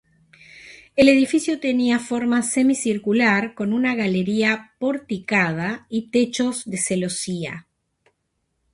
El edificio tenía forma semicircular, con una galería porticada y techos de celosía.